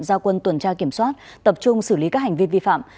gia quân tuần tra kiểm soát tập trung xử lý các hành vi vi phạm